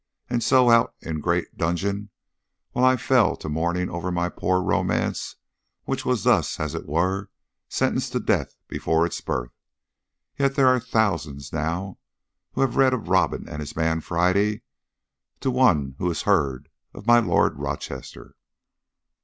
and so out in great dudgeon, whilst I fell to mourning over my poor romance, which was thus, as it were, sentenced to death before its birth. Yet there are a thousand now who have read of Robin and his man Friday, to one who has heard of my Lord of Rochester."